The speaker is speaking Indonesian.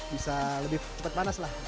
bisa lebih cepat panas lah